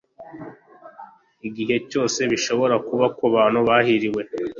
Igihe cyose bishobora kuba kubantu bahiriwe